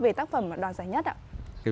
về tác phẩm đạt giải nhất ạ